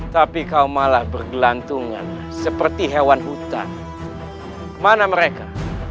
tapi kau malah bergelantungan seperti hewan hutan kemana mereka